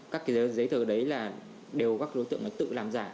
các cái giấy tờ đấy là đều các đối tượng tự làm giả